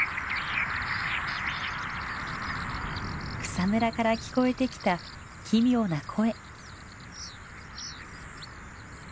草むらから聞こえてきた奇妙な声。